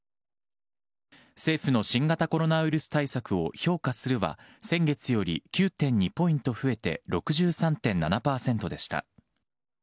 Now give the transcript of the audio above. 政府の新型コロナウイルス対策を評価するは、先月より９．２ポイント増えて６３．７％でした。